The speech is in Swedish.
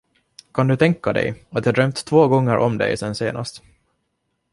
Kan du tänka dig, att jag drömt två gånger om dig sedan senast.